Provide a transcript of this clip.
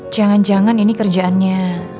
jangan jangan ini kerjaannya